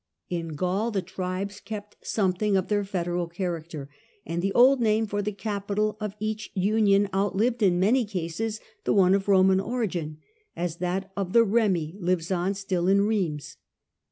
In Gaul the tribes kept something of their federal character, and the old name for the capital of each union outlived in many cases the one of Roman origin, as that of the Reini lives on still in Rheims.